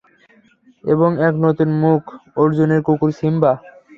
এবং এক নতুন মুখঃ অর্জুনের কুকুর, সিম্বা!